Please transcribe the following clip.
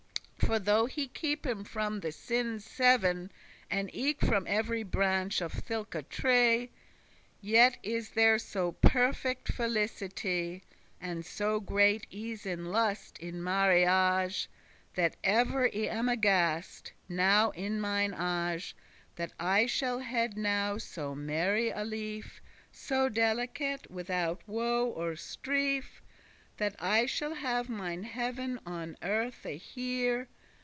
For though he keep him from the sinne's seven, And eke from every branch of thilke tree,<8> Yet is there so perfect felicity, And so great *ease and lust,* in marriage, *comfort and pleasure* That ev'r I am aghast,* now in mine age *ashamed, afraid That I shall head now so merry a life, So delicate, withoute woe or strife, That I shall have mine heav'n on earthe here.